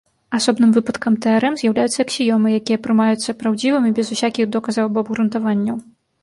Асобным выпадкам тэарэм з'яўляюцца аксіёмы, якія прымаюцца праўдзівымі без усякіх доказаў або абгрунтаванняў.